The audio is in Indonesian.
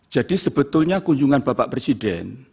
jadi sebetulnya kunjungan bapak presiden